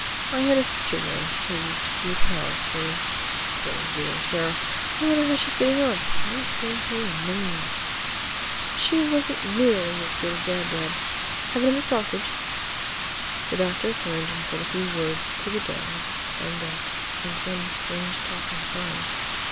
I had a sister once who used to keep house for me (poor, dear Sarah! I wonder how she's getting on—I haven't seen her in many years). But she wasn't nearly as good as Dab Dab. Have another sausage?" The Doctor turned and said a few words to the dog and duck in some strange talk and signs.